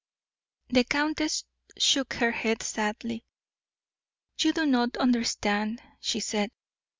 The countess shook her head sadly. "You do not understand," she said.